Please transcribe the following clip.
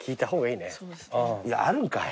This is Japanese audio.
いやあるんかい。